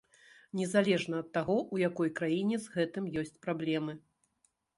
Незалежна ад таго, у якой краіне з гэтым ёсць праблемы.